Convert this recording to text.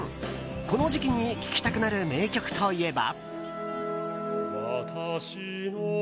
この時期に聴きたくなる名曲といえば。